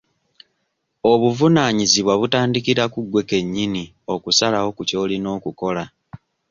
Obuvunaanyizibwa butandikira ku gwe ke nnyini okusalawo ku ky'olina okukola.